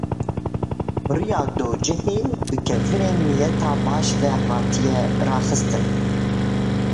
Rêya dojehê bi kevirên niyeta baş ve hatiye raxistin.